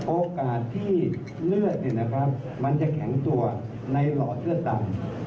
โอกาสที่เลือดมันจะแข็งตัวในหลอดเลือดต่ำ